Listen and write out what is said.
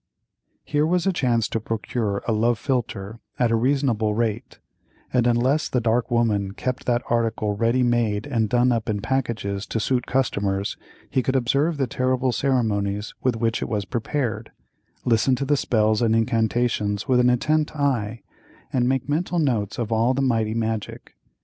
Here was a chance to procure a love philtre at a reasonable rate, and unless the dark woman kept that article ready made and done up in packages to suit customers, he could observe the terrible ceremonies with which it was prepared, listen to the spells and incantations with an attent eye, and take mental notes of all the mighty magic.